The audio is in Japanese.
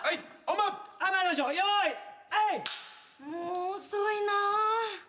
「もう遅いな」